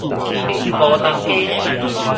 寧波東街